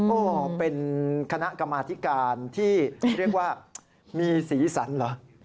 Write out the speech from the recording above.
โอ้โหเป็นคณะกรรมาธิการที่เรียกว่ามีสีสันเหรอ